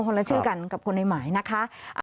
ละชื่อกันกับคนในหมายนะคะ